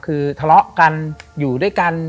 คือทะเลาะกันอยู่ด้วยกัน